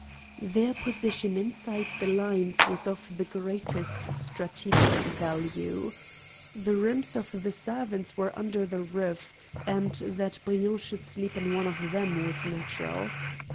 Their position inside the lines was of the greatest strategic value. The rooms of the servants were under the roof, and that Briand should sleep in one of them was natural.